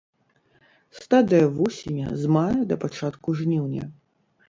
Стадыя вусеня з мая да пачатку жніўня.